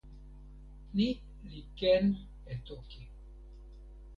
ni li ken e toki.